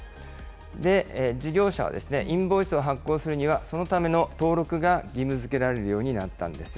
で、事業者はですね、インボイスを発行するには、そのための登録が義務づけられるようになったんです。